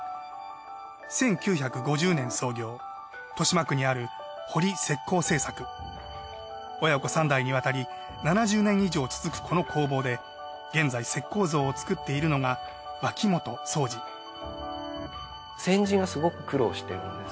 １９５０年創業親子３代にわたり７０年以上続くこの工房で現在石膏像を作っているのが先人がすごく苦労してるんです。